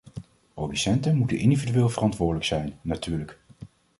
Producenten moeten individueel verantwoordelijk zijn, natuurlijk.